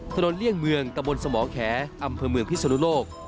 เลี่ยงเมืองตะบนสมแขอำเภอเมืองพิศนุโลก